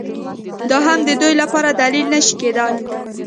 دا هم د دوی لپاره دلیل نه شي کېدای